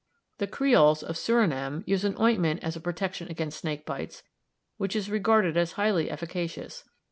The Creoles of Surinam use an ointment as a protection against snake bites, which is regarded as highly efficacious.